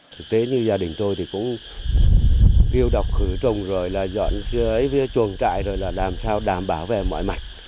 thực tế như gia đình tôi thì cũng yêu đọc khử trồng rồi là dọn chuồng trại rồi là làm sao đảm bảo về mọi mạch